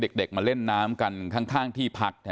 เสียงเด็กมาเล่นน้ำกันข้างที่พักครับ